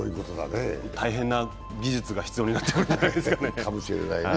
大変な技術が必要になってくるんじゃないですかね。